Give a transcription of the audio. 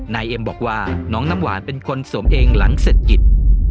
นายเอ็มบอกว่าน้องน้ำหวานเป็นคนสวมเองหลังเศรษฐกิจ